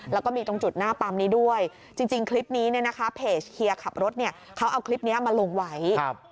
แล้วก็มีตรงจุดหน้าปั๊มนี้ด้วยจริงคลิปนี้เนี่ยนะคะเพจเฮียขับรถเนี่ยเขาเอาคลิปนี้มาลงไว้